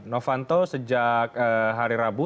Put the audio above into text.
novanto sejak hari rabu